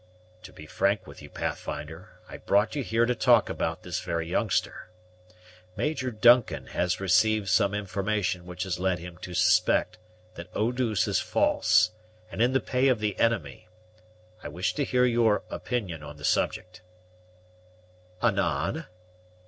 "To be frank with you, Pathfinder, I brought you here to talk about this very youngster. Major Duncan has received some information which has led him to suspect that Eau douce is false, and in the pay of the enemy; I wish to hear your opinion on the subject." "Anan?"